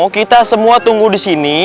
kita semua tunggu disini